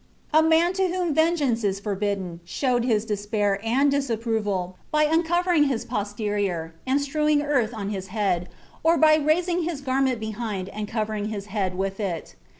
A man to whom vengeance is forbidden showed his despair and disapproval by uncovering his posterior and strewing earth on his head, or by raising his garment behind and covering his head with it.